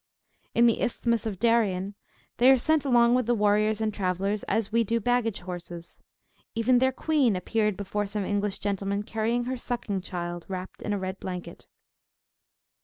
In the Isthmus of Darien, they are sent along with warriors and travellers, as we do baggage horses. Even their Queen appeared before some English gentlemen, carrying her sucking child, wrapt in a red blanket.